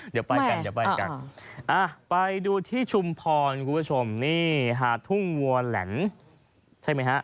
เดี๋ยวไปกันไปดูที่ชุมพรคุณผู้ชมนี่หาทุ่งวัวแหล่นใช่ไหมฮะ